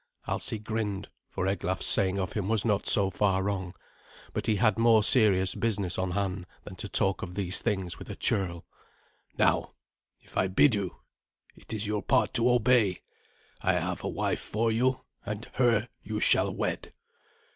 Alsi grinned, for Eglaf's saying of him was not so far wrong; but he had more serious business on hand than to talk of these things with a churl. "Now, if I bid you, it is your part to obey. I have a wife for you, and her you shall wed."